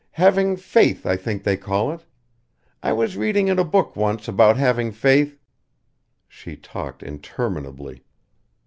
Having faith, I think they call it. I was reading in a book once about having faith " She talked interminably.